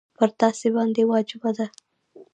پر تاسي باندي واجبه ده.